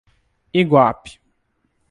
Iguape